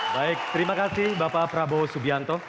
baik terima kasih bapak prabowo subianto